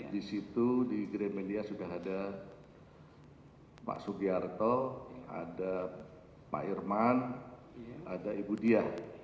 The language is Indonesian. di situ di grand media sudah ada pak sugiarto ada pak irman ada ibu diah